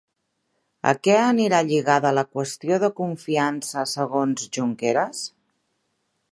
A què anirà lligada la qüestió de confiança segons Junqueras?